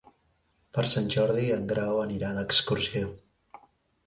Per Sant Jordi en Grau anirà d'excursió.